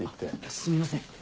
すみません。